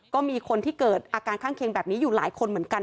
ก็มีคนที่เกิดอาการข้างเคียงแบบนี้อยู่หลายคนเหมือนกัน